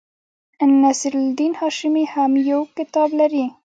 نصیر الدین هاشمي هم یو کتاب لري.